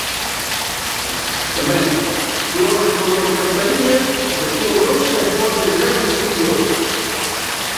Tamén: flor en forma de campaíña, de cor rosa e follas grandes e pilosas.